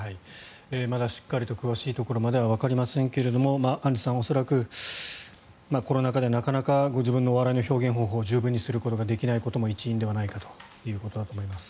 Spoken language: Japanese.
まだしっかりと詳しいところまではわかりませんがアンジュさん、恐らくコロナ禍でなかなかご自分の笑いの表現方法十分にすることもできないことも一因かと思います。